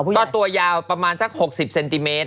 ก็ตัวยาวประมาณสัก๖๐เซนติเมตร